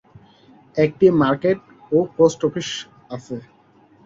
একটি মার্কেট ও post office আছে।